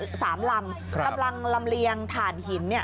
กำลังลำเลียงฐานหิน